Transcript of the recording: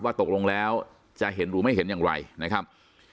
ตกลงแล้วจะเห็นหรือไม่เห็นอย่างไรนะครับ